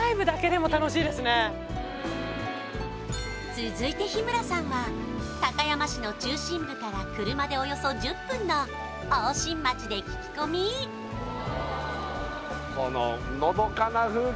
続いて日村さんは高山市の中心部から車でおよそ１０分の大新町で聞き込みうわ